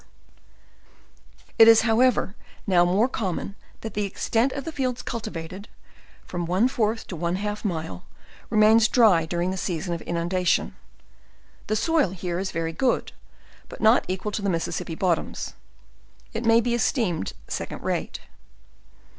184 JOURNAL OF It is however, now more common, that the extent of the fields cultivated (from one fourth to one half mile) remains dry during the season of inundation: the soil here is very good, but not equal to the Mississippi bottoms; it may be es teemed second rate.